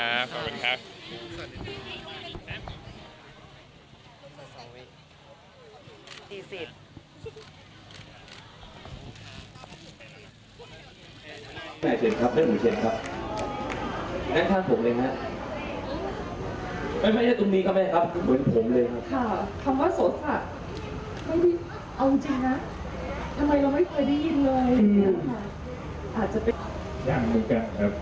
อาจจะยังแล้วกันครับ